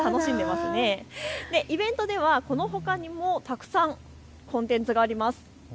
イベントでは、このほかにもたくさんコンテンツがあります。